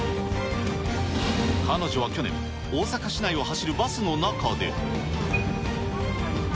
彼女は去年、大阪市内を走るバスの中で。